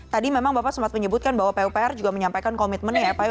tadi memang bapak sempat menyebutkan bahwa pupr juga menyampaikan komitmennya ya pak ya